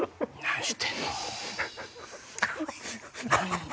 何してんの？